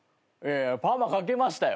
パーマかけましたよ。